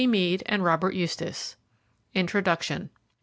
Meade and Robert Eustace INTRODUCTION.